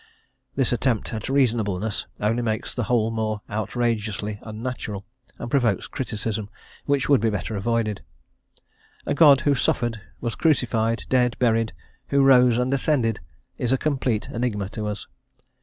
This attempt at reasonableness only makes the whole more outrageously unnatural, and provokes criticism which would be better avoided. A God, who suffered, was crucified, dead, buried, who rose and ascended, is a complete enigma to us.